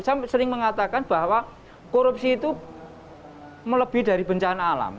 saya sering mengatakan bahwa korupsi itu melebih dari bencana alam